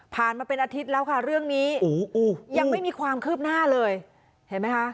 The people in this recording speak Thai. มาเป็นอาทิตย์แล้วค่ะเรื่องนี้ยังไม่มีความคืบหน้าเลยเห็นไหมคะ